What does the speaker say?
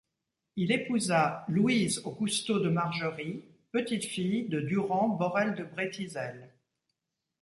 Il épousa Louise Aux Cousteaux de Margerie, petite-fille de Durand Borel de Brétizel.